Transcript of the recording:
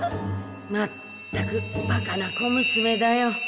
まったくバカな小娘だよ。